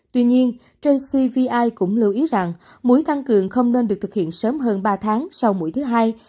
tuy nhiên jcvi cũng lưu ý rằng muối tăng cường không nên được thực hiện sớm hơn ba tháng sau mũi thứ hai